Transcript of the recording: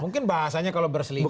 mungkin bahasanya kalau berselingkuh